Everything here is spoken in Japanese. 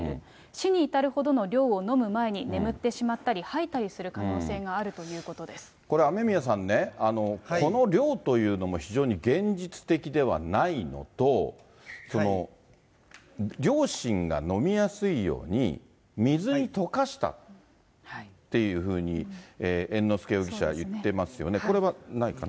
死に至るほどの量を飲む前に眠ってしまったり、吐いたりする可能これ、雨宮さんね、この量というのも非常に現実的ではないのと、両親が飲みやすいように、水に溶かしたっていうふうに、猿之助容疑者は言ってますよね。